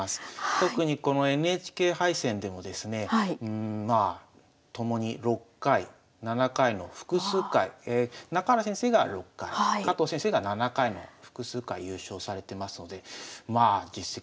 特にこのＮＨＫ杯戦でもですねまあともに６回７回の複数回中原先生が６回加藤先生が７回の複数回優勝されてますのでまあ実績